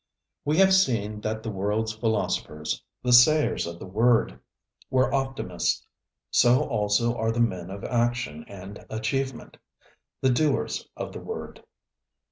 We have seen that the worldŌĆÖs philosophers the Sayers of the Word were optimists; so also are the men of action and achievement the Doers of the Word.